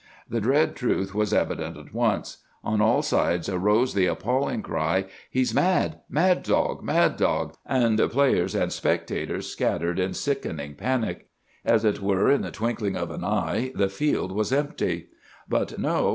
The dread truth was evident at once. On all sides arose the appalling cry, 'He's mad! Mad dog! Mad dog!' and players and spectators scattered in sickening panic. As it were in the twinkling of an eye, the field was empty. "But no!